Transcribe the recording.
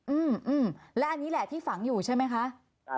อืมอืมแล้วอันนี้แหละที่ฝังอยู่ใช่ไหมครับ